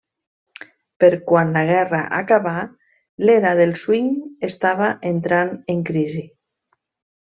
Per quan la guerra acabà, l'era del swing estava entrant en crisi.